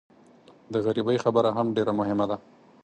د غریبۍ خبره هم ډېره مهمه ده.